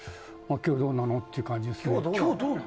今日、どうなの？っていう感じで。